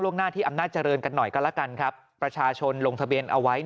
หน้าที่อำนาจเจริญกันหน่อยก็แล้วกันครับประชาชนลงทะเบียนเอาไว้